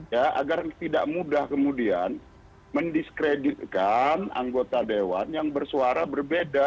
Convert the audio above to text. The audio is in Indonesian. ya agar tidak mudah kemudian mendiskreditkan anggota dewan yang bersuara berbeda